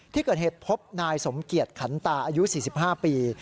ที่เกิดเหตุพบนายสมเกียจขันตาอายุ๔๕ปี